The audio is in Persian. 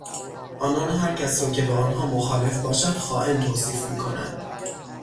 آنان هرکس را که با آنها مخالف باشد خائن توصیف میکنند.